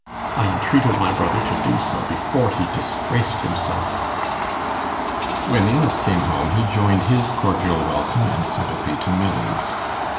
I entreated my brother to do so, before he disgraced himself.' When Amos came home, he joined his cordial welcome and sympathy to Milly's.